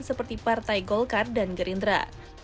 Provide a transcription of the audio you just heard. seperti partai golkar dan gerindra